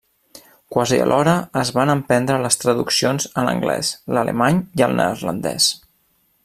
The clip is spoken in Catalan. Quasi alhora es van emprendre les traduccions a l'anglès, l'alemany i el neerlandès.